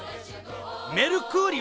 メルクーリオ！